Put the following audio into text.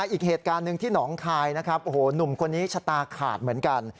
อีกเหตุการณ์หนึ่งที่หนองคายนะครับโอ้โหหนุ่มคนนี้ชะตาขาดเหมือนกัน